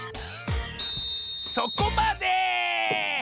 そこまで！